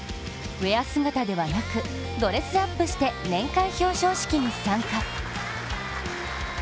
ウエア姿ではなくドレスアップして年間表彰式に参加。